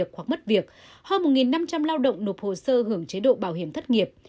hơn một năm trăm linh lao động nộp hồ sơ hưởng chế độ bảo hiểm thất nghiệp